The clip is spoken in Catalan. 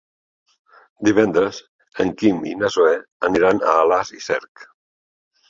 Divendres en Quim i na Zoè aniran a Alàs i Cerc.